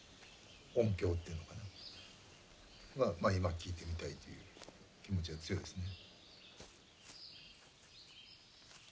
まあ今聞いてみたいという気持ちが強いですね。